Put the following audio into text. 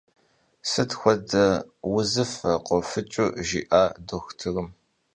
Sıt xuede vuzıfe khofıç'ıu jji'a doxutırım?